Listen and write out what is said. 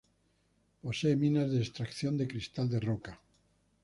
Posee minas de extracción de cristal de roca.